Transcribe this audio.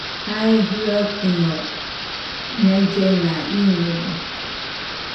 Jae jɨaɨkɨno ñaɨllena iñede.